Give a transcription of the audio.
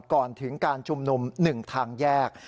ก่อนถึงการชุมนุม๑ทางแยก